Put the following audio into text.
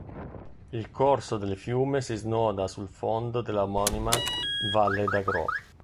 Il corso del fiume si snoda sul fondo della omonima valle d'Agrò.